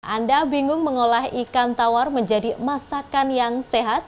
anda bingung mengolah ikan tawar menjadi masakan yang sehat